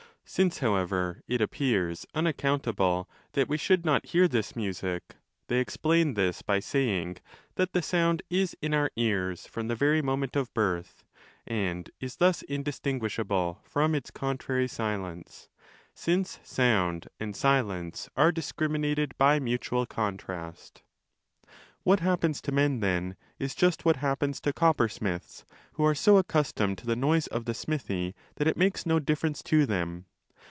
Since, however, it appears unaccountable that we should 25 not hear this music, they explain this by saying that the sound is in our ears from the very moment of birth and is thus indistinguishable from its contrary silence, since sound and silence are discriminated by mutual contrast. What happens to men, then, is just what happens to coppersmiths, who are so accustomed to the noise of the smithy that it 30 makes no difference to them.